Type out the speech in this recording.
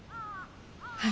はい。